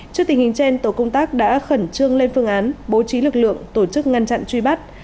trước tình hình trên tổ công tác đã khẩn trương lên phương án bố trí lực lượng tổ chức ngăn chặn truy bắt